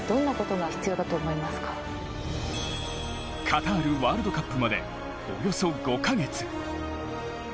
カタールワールドカップまでおよそ５カ月。